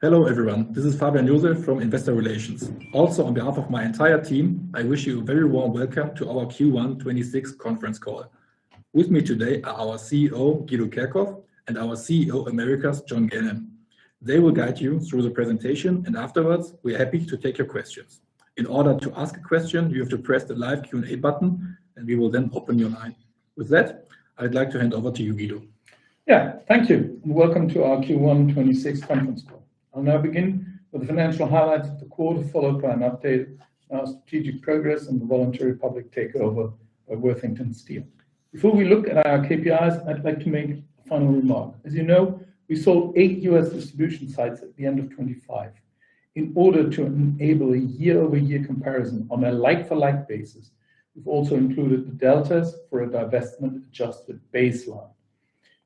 Hello, everyone. This is Fabian Joseph from Investor Relations. Also, on behalf of my entire team, I wish you a very warm welcome to our Q1 2026 conference call. With me today are our CEO Guido Kerkhoff and our CEO Americas John Ganem. They will guide you through the presentation, and afterwards, we are happy to take your questions. In order to ask a question, you have to press the live Q&A button, and we will then open your line. With that, I'd like to hand over to you, Guido. Yeah, thank you, and welcome to our Q1 2026 conference call. I'll now begin with the financial highlights of the quarter, followed by an update on our strategic progress and the voluntary public takeover of Worthington Steel. Before we look at our KPIs, I'd like to make a final remark. As you know, we sold eight U.S. distribution sites at the end of 2025. In order to enable a YoY comparison on a like-for-like basis, we've also included the deltas for a divestment-adjusted baseline.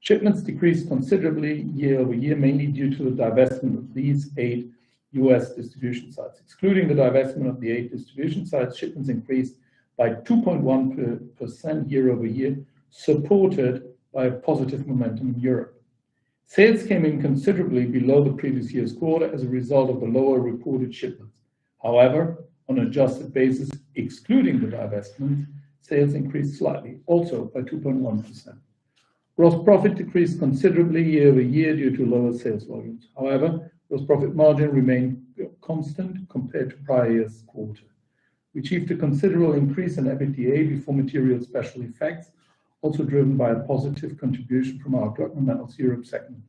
Shipments decreased considerably YoY, mainly due to the divestment of these eight U.S. distribution sites. Excluding the divestment of the eight distribution sites, shipments increased by 2.1% YoY, supported by positive momentum in Europe. Sales came in considerably below the previous year's quarter as a result of the lower reported shipments. On adjusted basis, excluding the divestment, sales increased slightly, also by 2.1%. Gross profit decreased considerably YoY due to lower sales volumes. However, gross profit margin remained constant compared to prior year's quarter. We achieved a considerable increase in EBITDA before material special effects, also driven by a positive contribution from our Klöckner Metals Europe segment.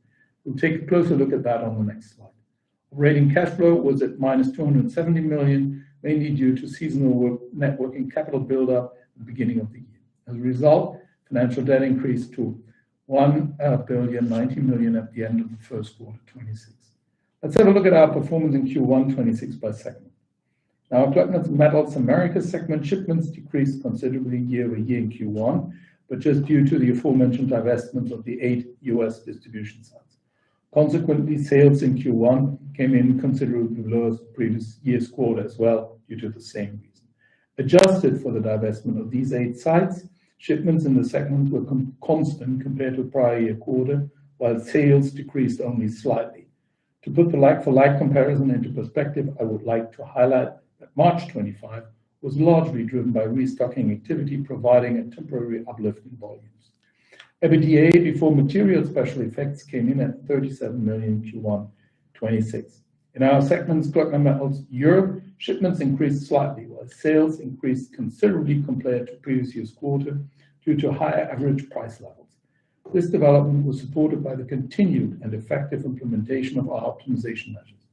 We'll take a closer look at that on the next slide. Operating cash flow was at -270 million, mainly due to seasonal work, net working capital buildup at the beginning of the year. As a result, financial debt increased to 1,090 million at the end of the first quarter 2026. Let's have a look at our performance in Q1 2026 by segment. Our Klöckner Metals Americas segment shipments decreased considerably YoY in Q1, just due to the aforementioned divestment of the eight U.S. distribution sites. Consequently, sales in Q1 came in considerably lower than the previous year's quarter as well due to the same reason. Adjusted for the divestment of these eight sites, shipments in the segment were constant compared to the prior year quarter, while sales decreased only slightly. To put the like-for-like comparison into perspective, I would like to highlight that March 2025 was largely driven by restocking activity, providing a temporary uplift in volumes. EBITDA before material special effects came in at 37 million in Q1 2026. In our segments Klöckner Metals Europe, shipments increased slightly, while sales increased considerably compared to previous year's quarter due to higher average price levels. This development was supported by the continued and effective implementation of our optimization measures.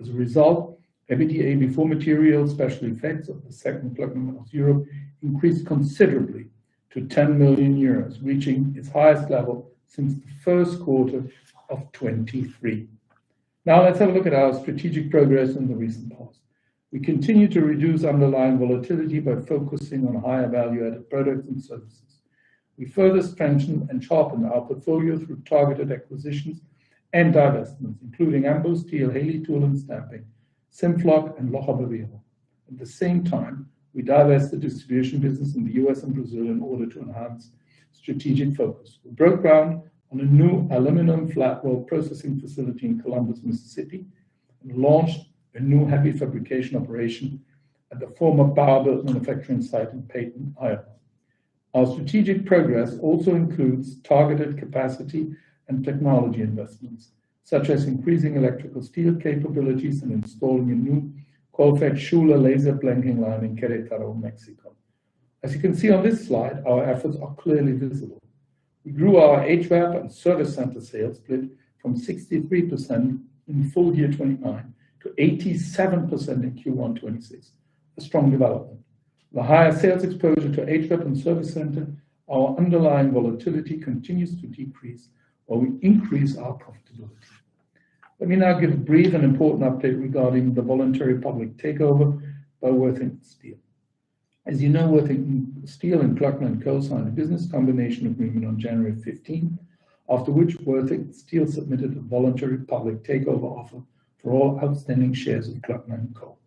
As a result, EBITDA before material special effects of the segment Klöckner Metals Europe increased considerably to 10 million euros, reaching its highest level since the first quarter of 2023. Let's have a look at our strategic progress in the recent past. We continue to reduce underlying volatility by focusing on higher value-added products and services. We further strengthen and sharpen our portfolio through targeted acquisitions and divestments, including Ambos Steel, Haley Tool & Stamping, Simfloc, and Lochaber Wire. At the same time, we divested the distribution business in the U.S. and Brazil in order to enhance strategic focus. We broke ground on a new aluminum flat roll processing facility in Columbus, Mississippi, and launched a new heavy fabrication operation at the former Bauer Manufacturing site in Paton, Iowa. Our strategic progress also includes targeted capacity and technology investments, such as increasing electrical steel capabilities and installing a new coil-fed Schuler laser blanking line in Querétaro, Mexico. As you can see on this slide, our efforts are clearly visible. We grew our HVAC and service center sales split from 63% in full year 2025 to 87% in Q1 2026, a strong development. With the higher sales exposure to HVAC and service center, our underlying volatility continues to decrease while we increase our profitability. Let me now give a brief and important update regarding the voluntary public takeover by Worthington Steel. As you know, Worthington Steel and Klöckner & Co co-signed a business combination agreement on January 15th, after which Worthington Steel submitted a voluntary public takeover offer for all outstanding shares of Klöckner & Co.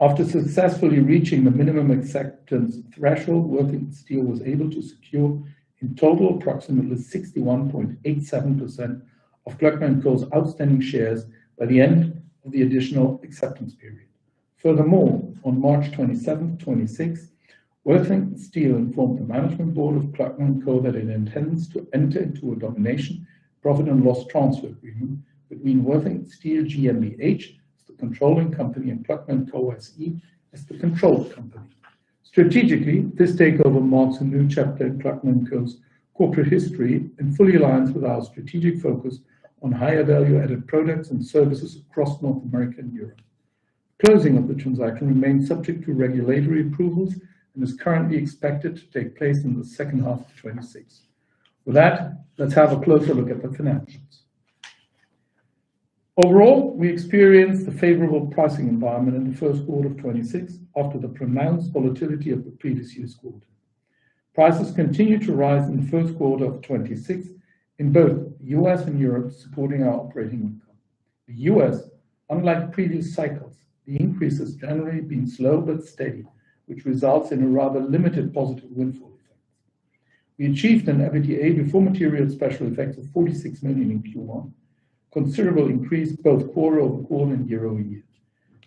After successfully reaching the minimum acceptance threshold, Worthington Steel was able to secure in total approximately 61.87% of Klöckner & Co.'s outstanding shares by the end of the additional acceptance period. On March 27, 2026, Worthington Steel informed the management board of Klöckner & Co. that it intends to enter into a domination and profit and loss transfer agreement between Worthington Steel GmbH as the controlling company and Klöckner & Co SE as the controlled company. Strategically, this takeover marks a new chapter in Klöckner & Co.'s corporate history and fully aligns with our strategic focus on higher value-added products and services across North America and Europe. Closing of the transaction remains subject to regulatory approvals and is currently expected to take place in the second half of 2026. With that, let's have a closer look at the financials. Overall, we experienced a favorable pricing environment in the first quarter of 2026 after the pronounced volatility of the previous year's quarter. Prices continued to rise in the first quarter of 2026 in both the U.S. and Europe, supporting our operating income. In the U.S., unlike previous cycles, the increase has generally been slow but steady, which results in a rather limited positive windfall. We achieved an EBITDA before material special effects of 46 million in Q1, considerable increase both QoQ and YoY.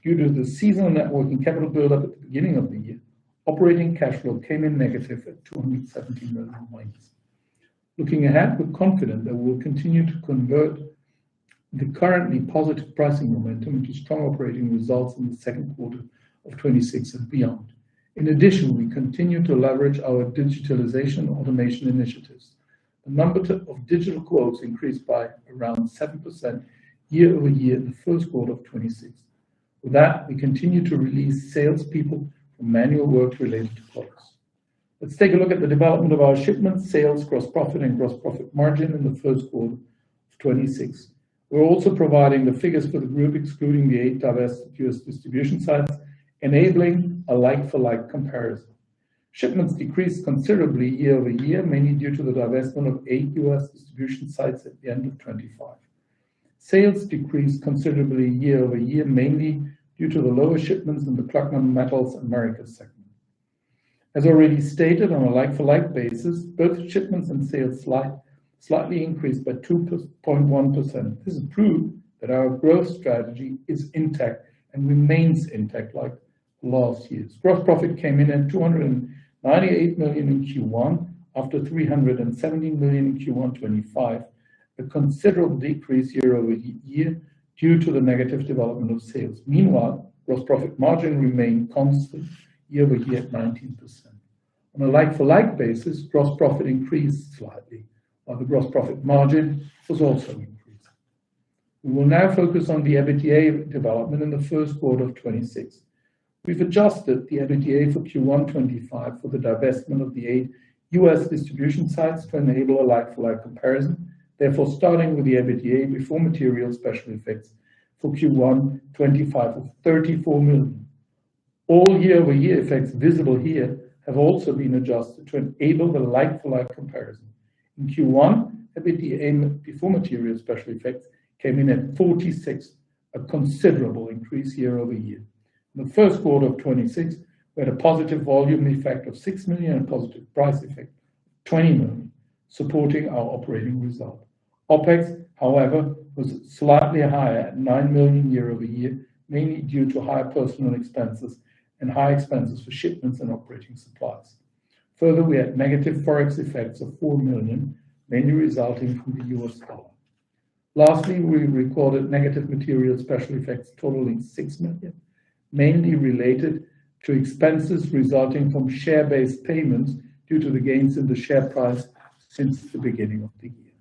Due to the seasonal net working capital build-up at the beginning of the year, operating cash flow came in negative at -270 million. Looking ahead, we're confident that we'll continue to convert the currently positive pricing momentum into strong operating results in the second quarter of 2026 and beyond. In addition, we continue to leverage our digitalization automation initiatives. The number of digital quotes increased by around 7% YoY in the first quarter of 2026. With that, we continue to release salespeople from manual work related to quotes. Let's take a look at the development of our shipments, sales, gross profit, and gross profit margin in the first quarter of 2026. We're also providing the figures for the group excluding the eight divested U.S. distribution sites, enabling a like-for-like comparison. Shipments decreased considerably YoY, mainly due to the divestment of eight U.S. distribution sites at the end of 2025. Sales decreased considerably YoY, mainly due to the lower shipments in the Klöckner Metals Americas segment. As already stated, on a like-for-like basis, both shipments and sales slightly increased by 2.1%. This is proof that our growth strategy is intact and remains intact like last year's. Gross profit came in at 298 million in Q1 after 370 million in Q1 2025, a considerable decrease YoY due to the negative development of sales. Meanwhile, gross profit margin remained constant YoY at 19%. On a like-for-like basis, gross profit increased slightly, while the gross profit margin was also increased. We will now focus on the EBITDA development in the first quarter of 2026. We've adjusted the EBITDA for Q1 2025 for the divestment of the eight U.S. distribution sites to enable a like-for-like comparison. Therefore, starting with the EBITDA before material special effects for Q1 2025 of 34 million. All YoY effects visible here have also been adjusted to enable the like-for-like comparison. In Q1, EBITDA before material special effects came in at 46 million, a considerable increase YoY. In the first quarter of 2026, we had a positive volume effect of 6 million and a positive price effect, 20 million, supporting our operating result. OpEx, however, was slightly higher at 9 million YoY, mainly due to higher personnel expenses and higher expenses for shipments and operating supplies. Further, we had negative Forex effects of 4 million, mainly resulting from the US dollar. Lastly, we recorded negative material special effects totaling 6 million, mainly related to expenses resulting from share-based payments due to the gains in the share price since the beginning of the year.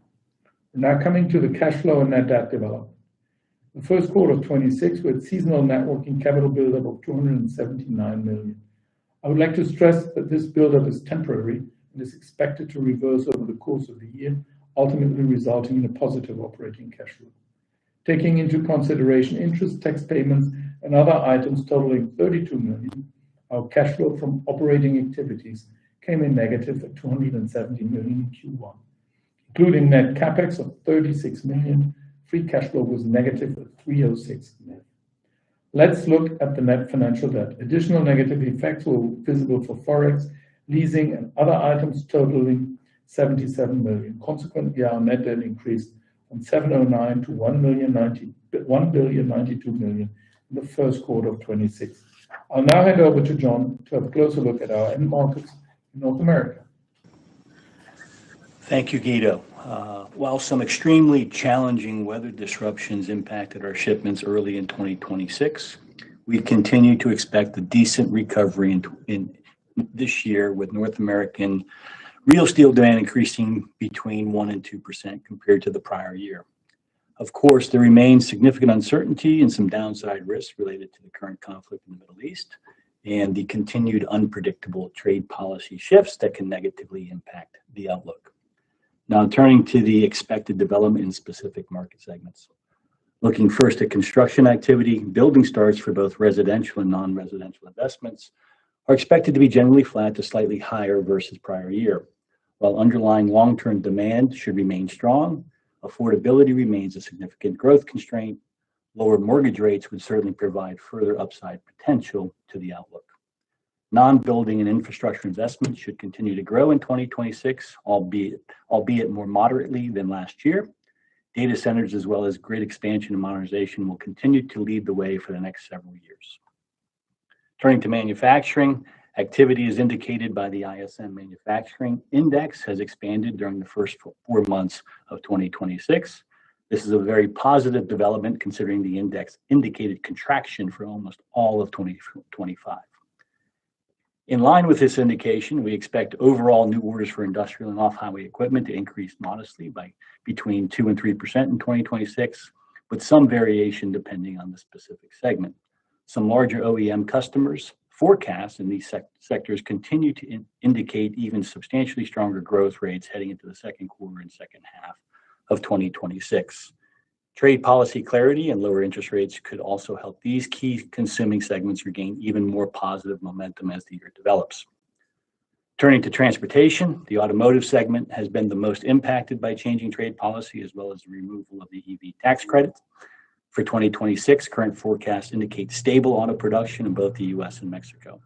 We're now coming to the cash flow and net debt development. In the first quarter of 2026, we had seasonal net working capital build-up of 279 million. I would like to stress that this build-up is temporary and is expected to reverse over the course of the year, ultimately resulting in a positive operating cash flow. Taking into consideration interest, tax payments, and other items totaling 32 million, our cash flow from operating activities came in negative at -270 million in Q1. Including net CapEx of 36 million, free cash flow was negative at -306 million. Let's look at the net financial debt. Additional negative effects were visible for Forex, leasing, and other items totaling -77 million. Our net debt increased from 709 million to 1.092 billion in the first quarter of 2026. I'll now hand over to John to have a closer look at our end markets in North America. Thank you, Guido. While some extremely challenging weather disruptions impacted our shipments early in 2026, we continue to expect a decent recovery in this year with North American real steel demand increasing between 1% and 2% compared to the prior year. Of course, there remains significant uncertainty and some downside risks related to the current conflict in the Middle East and the continued unpredictable trade policy shifts that can negatively impact the outlook. Now turning to the expected development in specific market segments. Looking first at construction activity, building starts for both residential and non-residential investments are expected to be generally flat to slightly higher versus prior year. While underlying long-term demand should remain strong, affordability remains a significant growth constraint. Lower mortgage rates would certainly provide further upside potential to the outlook. Non-building and infrastructure investment should continue to grow in 2026, albeit more moderately than last year. Data centers as well as grid expansion and modernization will continue to lead the way for the next several years. Turning to manufacturing, activity as indicated by the ISM Manufacturing Index has expanded during the first four months of 2026. This is a very positive development considering the index indicated contraction for almost all of 2025. In line with this indication, we expect overall new orders for industrial and off-highway equipment to increase modestly by between 2% and 3% in 2026, with some variation depending on the specific segment. Some larger OEM customers' forecasts in these sectors continue to indicate even substantially stronger growth rates heading into the second quarter and second half of 2026. Trade policy clarity and lower interest rates could also help these key consuming segments regain even more positive momentum as the year develops. Turning to transportation, the automotive segment has been the most impacted by changing trade policy as well as the removal of the EV tax credits. For 2026, current forecasts indicate stable auto production in both the U.S. and Mexico.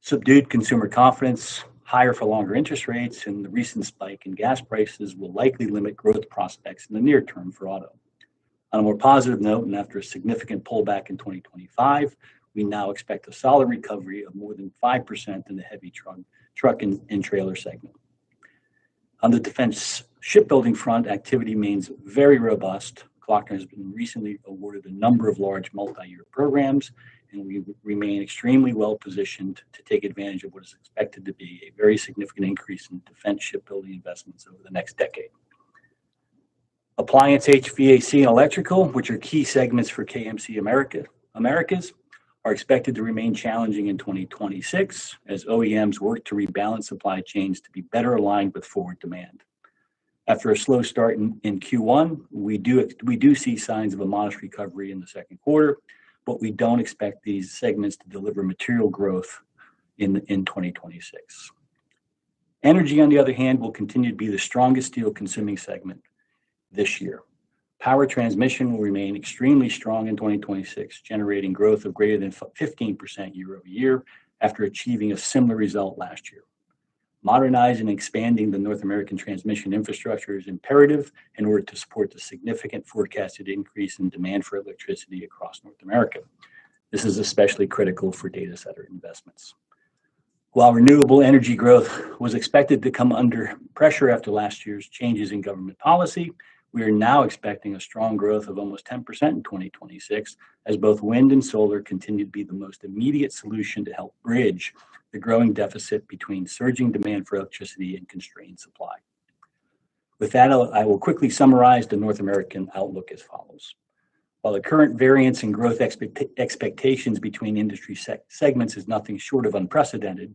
Subdued consumer confidence, higher for longer interest rates, and the recent spike in gas prices will likely limit growth prospects in the near term for auto. On a more positive note, and after a significant pullback in 2025, we now expect a solid recovery of more than 5% in the heavy truck and trailer segment. On the defense shipbuilding front, activity remains very robust. Klöckner has been recently awarded a number of large multi-year programs. We remain extremely well-positioned to take advantage of what is expected to be a very significant increase in defense shipbuilding investments over the next decade. Appliance, HVAC, and electrical, which are key segments for KMC Americas, are expected to remain challenging in 2026 as OEMs work to rebalance supply chains to be better aligned with forward demand. After a slow start in Q1, we do see signs of a modest recovery in the second quarter. We don't expect these segments to deliver material growth in 2026. Energy, on the other hand, will continue to be the strongest steel-consuming segment this year. Power transmission will remain extremely strong in 2026, generating growth of greater than 15% YoY after achieving a similar result last year. Modernizing and expanding the North American transmission infrastructure is imperative in order to support the significant forecasted increase in demand for electricity across North America. This is especially critical for data center investments. While renewable energy growth was expected to come under pressure after last year's changes in government policy, we are now expecting a strong growth of almost 10% in 2026, as both wind and solar continue to be the most immediate solution to help bridge the growing deficit between surging demand for electricity and constrained supply. With that, I will quickly summarize the North American outlook as follows. While the current variance in growth expectations between industry segments is nothing short of unprecedented,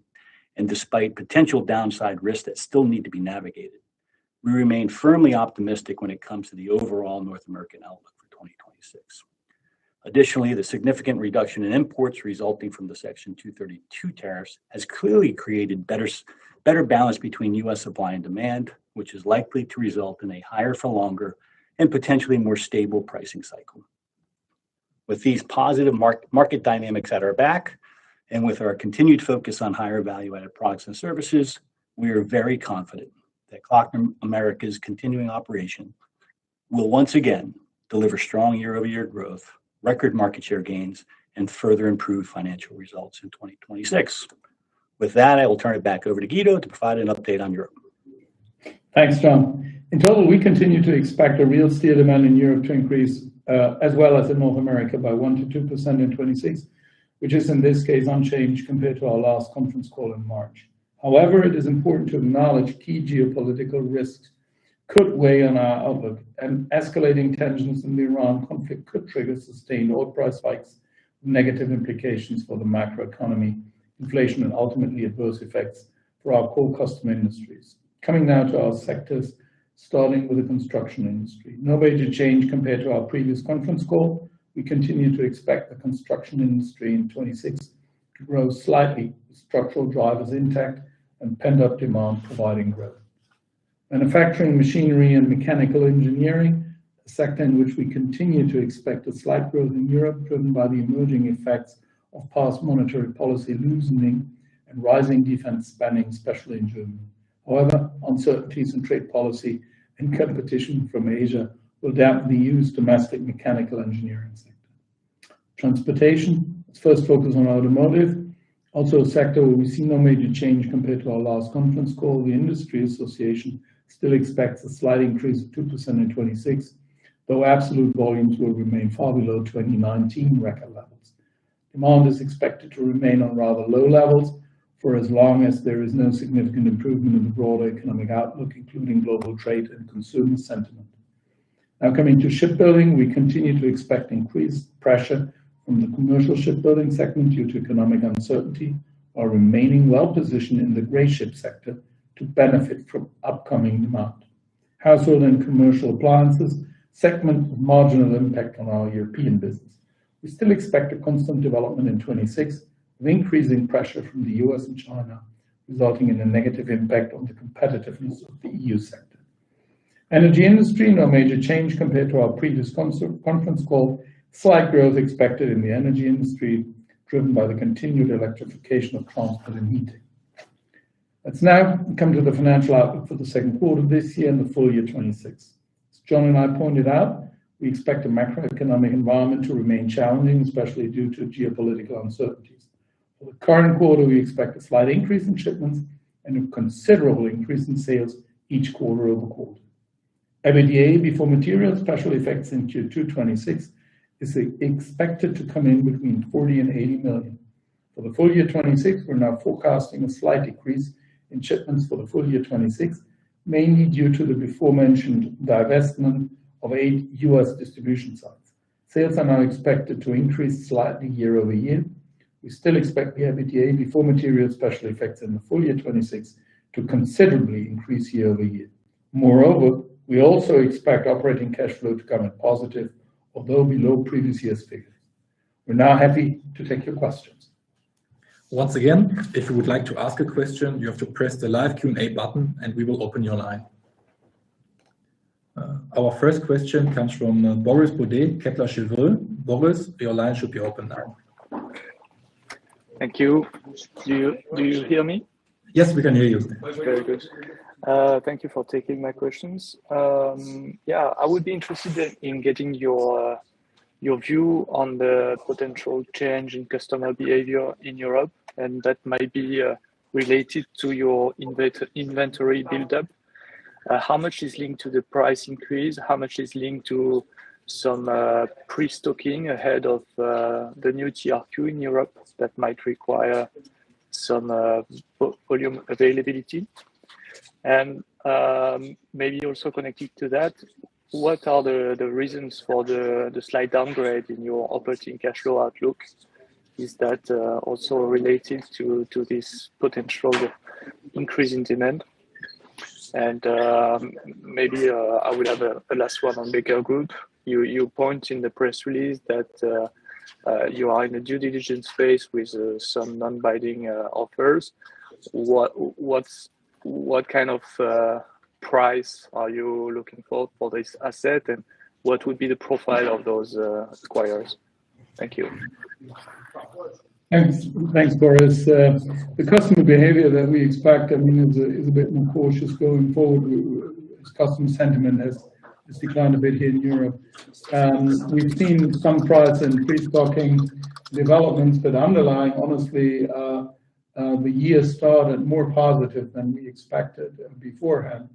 and despite potential downside risks that still need to be navigated, we remain firmly optimistic when it comes to the overall North American outlook for 2026. Additionally, the significant reduction in imports resulting from the Section 232 tariffs has clearly created better balance between U.S. supply and demand, which is likely to result in a higher for longer and potentially more stable pricing cycle. With these positive market dynamics at our back, and with our continued focus on higher value-added products and services, we are very confident that Kloeckner Metals Americas' continuing operation will once again deliver strong YoY growth, record market share gains, and further improve financial results in 2026. I will turn it back over to Guido to provide an update on Europe. Thanks, John. In total, we continue to expect the real steel demand in Europe to increase, as well as in North America by 1% to 2% in 2026, which is in this case unchanged compared to our last conference call in March. However, it is important to acknowledge key geopolitical risks could weigh on our outlook, and escalating tensions in the Iran conflict could trigger sustained oil price spikes, negative implications for the macroeconomy, inflation, and ultimately adverse effects for our core customer industries. Coming now to our sectors, starting with the construction industry. No major change compared to our previous conference call. We continue to expect the construction industry in 2026 to grow slightly, structural drivers intact and pent-up demand providing growth. Manufacturing machinery and mechanical engineering, a sector in which we continue to expect a slight growth in Europe driven by the emerging effects of past monetary policy loosening and rising defense spending, especially in Germany. However, uncertainties in trade policy and competition from Asia will dampen the EU's domestic mechanical engineering. Transportation. Let's first focus on automotive. Also a sector where we see no major change compared to our last conference call. The industry association still expects a slight increase of 2% in 2026, though absolute volumes will remain far below 2019 record levels. Demand is expected to remain on rather low levels for as long as there is no significant improvement in the broader economic outlook, including global trade and consumer sentiment. Coming to shipbuilding, we continue to expect increased pressure from the commercial shipbuilding segment due to economic uncertainty, while remaining well positioned in the grey hull sector to benefit from upcoming demand. Household and commercial appliances, segment of marginal impact on our European business. We still expect a constant development in 2026 with increasing pressure from the U.S. and China, resulting in a negative impact on the competitiveness of the E.U. sector. Energy industry, no major change compared to our previous conference call. Slight growth expected in the energy industry, driven by the continued electrification of transport and heat. Let's now come to the financial outlook for the second quarter of this year and the full year 2026. As John and I pointed out, we expect the macroeconomic environment to remain challenging, especially due to geopolitical uncertainties. For the current quarter, we expect a slight increase in shipments and a considerable increase in sales each QoQ. EBITDA before material special effects in Q2 2026 is expected to come in between 40 million and 80 million. For the full year 2026, we're now forecasting a slight decrease in shipments for the full year 2026, mainly due to the beforementioned divestment of eight U.S. distribution sites. Sales are now expected to increase slightly YoY. We still expect the EBITDA before material special effects in the full year 2026 to considerably increase YoY. Moreover, we also expect operating cash flow to come in positive, although below previous year's figures. We're now happy to take your questions. Once again, if you would like to ask a question, you have to press the live Q&A button. We will open your line. Our first question comes from Boris Bourdet, Kepler Cheuvreux. Boris, your line should be open now. Thank you. Do you hear me? Yes, we can hear you. Very good. Thank you for taking my questions. Yeah, I would be interested in getting your view on the potential change in customer behavior in Europe, and that might be related to your inventory buildup. How much is linked to the price increase? How much is linked to some pre-stocking ahead of the new TRQ in Europe that might require some volume availability? Maybe also connected to that, what are the reasons for the slight downgrade in your operating cash flow outlook? Is that also related to this potential increase in demand? Maybe I will have a last one on Becker Group. You point in the press release that you are in the due diligence phase with some non-binding offers. What kind of price are you looking for for this asset, and what would be the profile of those acquirers? Thank you. Thanks. Thanks, Boris. The customer behavior that we expect, I mean, is a bit more cautious going forward. Customer sentiment has declined a bit here in Europe. We've seen some price and pre-stocking developments. Underlying, honestly, the year started more positive than we expected beforehand.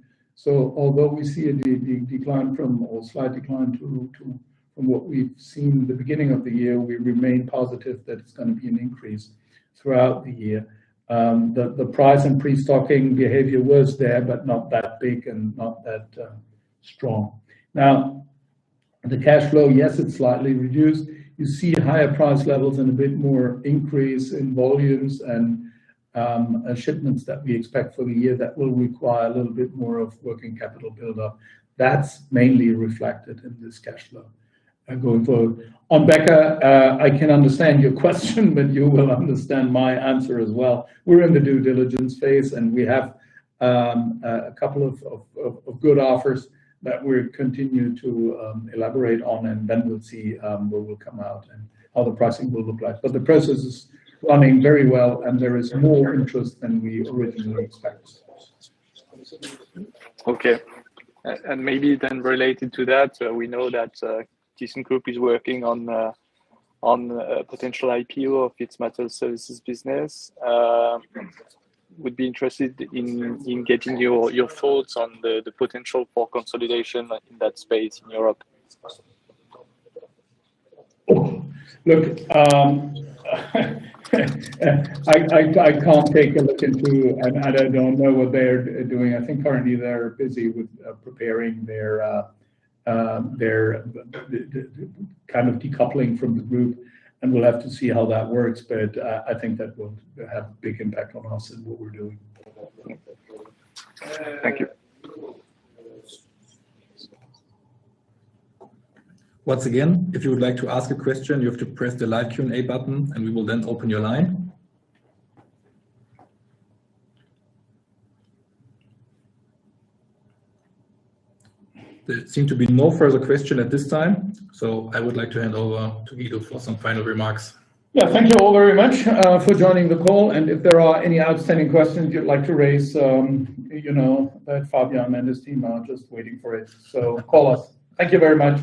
Although we see a decline from, or slight decline to, from what we've seen the beginning of the year, we remain positive that it's gonna be an increase throughout the year. The price and pre-stocking behavior was there, not that big and not that strong. The cash flow, yes, it's slightly reduced. You see higher price levels and a bit more increase in volumes and shipments that we expect for the year that will require a little bit more of working capital buildup. That's mainly reflected in this cash flow going forward. On Becker, I can understand your question. You will understand my answer as well. We're in the due diligence phase. We have a couple of good offers that we're continuing to elaborate on. We'll see what will come out and how the pricing will look like. The process is running very well. There is more interest than we originally expected. Okay. Maybe related to that, we know that thyssenkrupp is working on a potential IPO of its Materials Services business. I would be interested in getting your thoughts on the potential for consolidation in that space in Europe. Look, I don't know what they're doing. I think currently they're busy with preparing their kind of decoupling from the group, and we'll have to see how that works, but I think that won't have a big impact on us and what we're doing. Thank you. Once again, if you would like to ask a question, you have to press the live Q&A button, we will then open your line. There seem to be no further question at this time, I would like to hand over to Guido for some final remarks. Yeah. Thank you all very much, for joining the call, and if there are any outstanding questions you'd like to raise, you know that Fabian and his team are just waiting for it, so call us. Thank you very much.